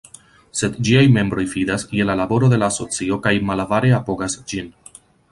Sed ĝiaj membroj fidas je la laboro de la asocio kaj malavare apogas ĝin.